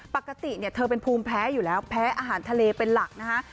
ปกติเนี่ยเธอเป็นภูมิแพ้อยู่แล้วแพ้อาหารทะเลเป็นหลักนะคะ